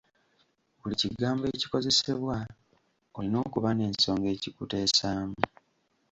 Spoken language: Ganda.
Buli kigambo ekikozesebwa olina okuba n'ensonga ekikuteesaamu.